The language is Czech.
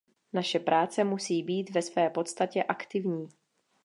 Naše práce musí být ve své podstatě aktivní.